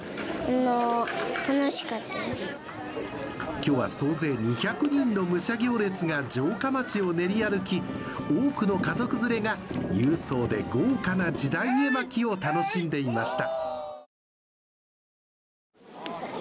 今日は総勢２００人の武者行列が城下町を練り歩き、多くの家族連れが勇壮で豪華な時代絵巻を楽しんでいました。